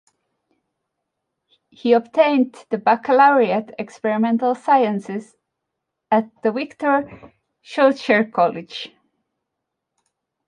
He obtained the baccalaureate Experimental Sciences at the Victor-Schœlcher College.